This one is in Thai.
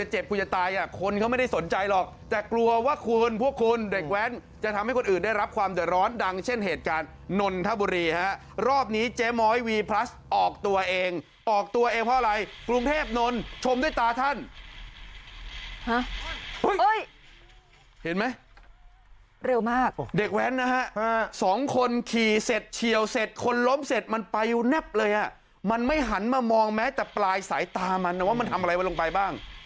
เห็นไหมเร็วมากเด็กแว้นนะฮะสองคนขี่เสร็จเฉียวเสร็จคนล้มเสร็จมันไปอยู่แนบเลยอ่ะมันไม่หันมามองแม้แต่ปลายสายตามันอ่ะว่ามันทำอะไรไว้ลงไปบ้าง